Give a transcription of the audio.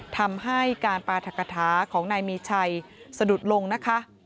ทำให้การปราธกฐาของนายมีชัยสะดุดลงนะคะ